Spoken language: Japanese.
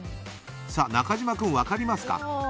中島君、分かりますか？